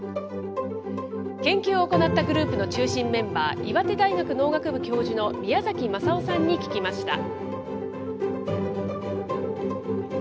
研究を行ったグループの中心メンバー、岩手大学農学部教授の宮崎雅雄さんに聞きました。